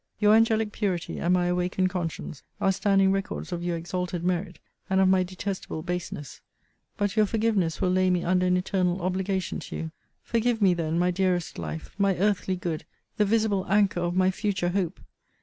Your angelic purity, and my awakened conscience, are standing records of your exalted merit, and of my detestable baseness: but your forgiveness will lay me under an eternal obligation to you. Forgive me then, my dearest life, my earthly good, the visible anchor of my future hope!